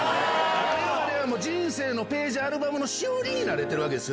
われわれは人生のページ、アルバムのしおりになれてるわけですよ。